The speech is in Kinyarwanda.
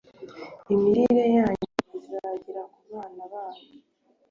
imirire yanyu izagira ku bana banyu